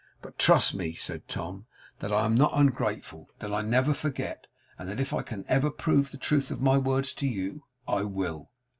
But trust me,' said Tom, 'that I am not ungrateful that I never forget and that if I can ever prove the truth of my words to you, I will.